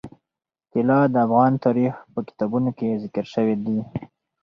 طلا د افغان تاریخ په کتابونو کې ذکر شوی دي.